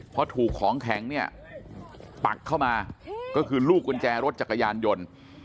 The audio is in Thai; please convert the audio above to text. เพราะถูกของแข็งเนี่ยปักเข้ามาก็คือลูกกุญแจรถจักรยานยนต์